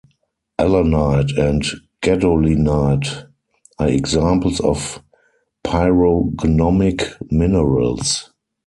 Allanite and gadolinite are examples of pyrognomic minerals.